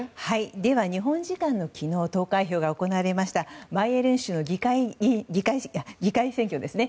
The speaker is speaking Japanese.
では日本時間の昨日投開票が行われましたバイエルン州の議会選挙ですね。